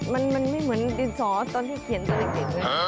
มันไม่เหมือนดินซอสตอนที่เขียนจริงเนี่ย